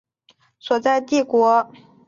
尉犁县是古西域的渠犁国所在地。